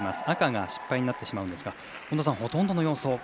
赤が失敗になってしまうんですがほとんどの要素